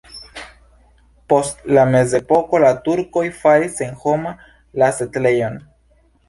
Post la mezepoko la turkoj faris senhoma la setlejon.